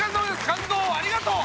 感動をありがとう！